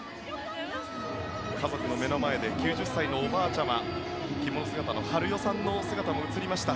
家族の目の前で９０歳のおばあちゃま着物姿のハルヨさんの姿も映りました。